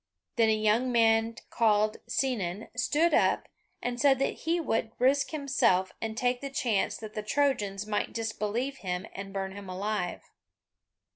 Then a young man called Sinon stood up and said that he would risk himself and take the chance that the Trojans might disbelieve him, and burn him alive.